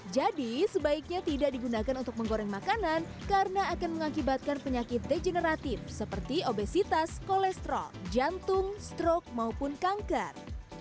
jadi sebaiknya tidak digunakan untuk menggoreng makanan karena akan mengakibatkan penyakit degeneratif seperti obesitas kolesterol jantung stroke maupun kanker